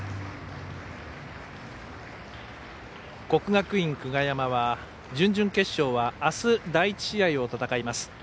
国学院久我山は、準々決勝はあす第１試合を戦います